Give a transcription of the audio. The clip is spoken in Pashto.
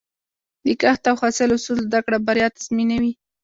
د کښت او حاصل اصول زده کړه، بریا تضمینوي.